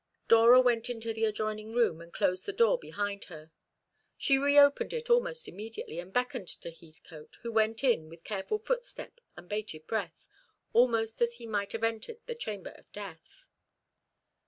Dora went into the adjoining room, and closed the door behind her. She reopened it almost immediately, and beckoned to Heathcote, who went in with careful footstep and bated breath, almost as he might have entered the chamber of death.